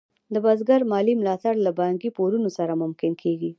د بزګر مالي ملاتړ له بانکي پورونو سره ممکن کېږي.